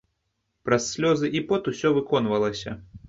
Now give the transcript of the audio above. Праз слёзы і пот усё выконвалася.